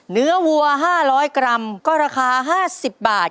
เนื้อวัว๕๐๐กรัมก็ราคา๕๐บาท